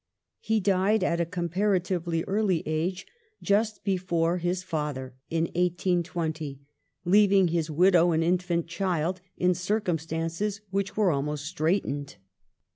He died at a comparatively early age, just before his father, in 1820, leaving his widow and infant child ^ in circum stances which were almost straitened.